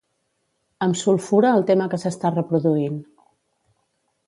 Em sulfura el tema que s'està reproduint.